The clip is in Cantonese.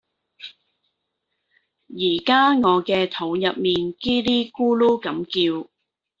而家我嘅肚入邊 𠼻 咧咕嚕咁叫